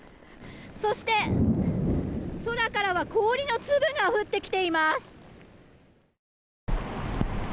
そして、空からは氷の粒が降ってきています。